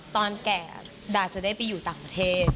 ตอนแก่ดาจะได้ไปอยู่ต่างประเทศ